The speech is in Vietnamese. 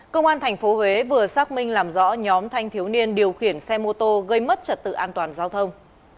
công an tp huế vừa xác minh làm rõ nhóm thanh thiếu niên điều khiển xe mô tô gây mất trật tự an toàn giao thông